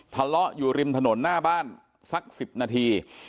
ทะเลาะอยู่ริมถนนหน้าบ้านสัก๑๐นาที